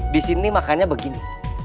di sini makannya begini